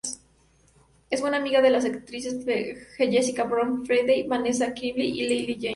Es buena amiga de las actrices Jessica Brown-Findlay, Vanessa Kirby y Lily James.